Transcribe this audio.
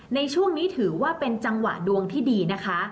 ในช่วงนี้ถือว่าเป็นจังหวะดวงที่ดีนะคะ